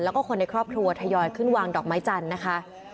แล้วก็คนในครอบครัวทยอยขึ้นวางดอกไม้จันทร์นะคะ